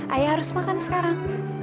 ayah harus makan sekarang